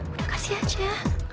udah kasih aja